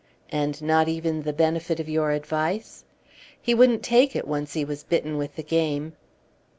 "And not even the benefit of your advice?" "He wouldn't take it, once he was bitten with the game."